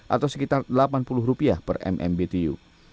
atau sekitar delapan puluh rupiah per mmbtu